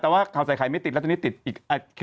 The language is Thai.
แต่ว่าข่าวใส่ไข่ไม่ติดแล้วตอนนี้ติดอีก